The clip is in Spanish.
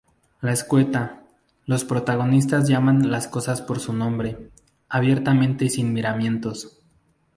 Es escueta, los protagonistas llaman las cosas por su nombre, abiertamente y sin miramientos.